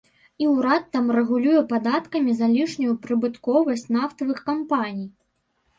І ўрад там рэгулюе падаткамі залішнюю прыбытковасць нафтавых кампаній.